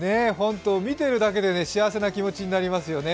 見てるだけで幸せな気持ちになりますよね。